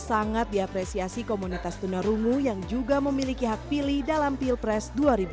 sangat diapresiasi komunitas tunarungu yang juga memiliki hak pilih dalam pilpres dua ribu dua puluh